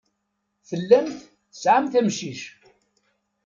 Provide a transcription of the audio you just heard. Tellamt tesɛamt amcic.